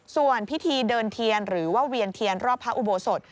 ส่วนพิธีเดินเทียนหรือว่าเวียนเทียนรอบพระอุโบสถ